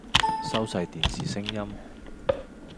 收細電視聲音